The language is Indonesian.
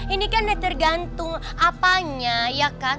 ini kan tergantung apanya ya kan